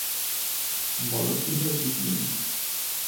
বল কী হে বিপিন!